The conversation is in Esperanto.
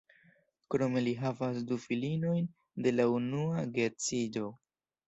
Krome li havas du filinojn de la unua geedziĝo.